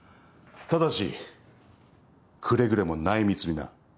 ただしくれぐれも内密にな。